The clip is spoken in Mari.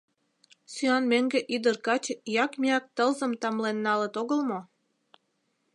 — Сӱан мӧҥгӧ ӱдыр-каче ӱяк-мӱяк тылзым тамлен налыт огыл мо?